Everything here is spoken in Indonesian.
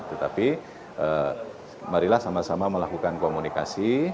tetapi marilah sama sama melakukan komunikasi